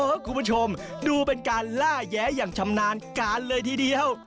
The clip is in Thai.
คุณผู้ชมดูเป็นการล่าแย้อย่างชำนาญการเลยทีเดียว